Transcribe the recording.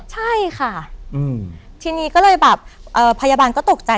ใช่ค่ะทีนี้ก็เลยแบบพยาบาลก็ตกใจ